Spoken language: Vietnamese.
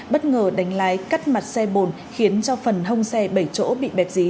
bất ngờ đánh lái cắt mặt xe bồn khiến cho phần hông xe bảy chỗ bị bẹt dí